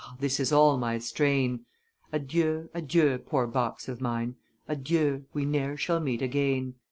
Ah! this is all my strain! Adieu, adieu, poor box of mine; Adieu; we ne'er shall meet again!"